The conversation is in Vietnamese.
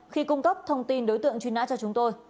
khi cung cấp thông tin đối tượng truy nã cho chúng tôi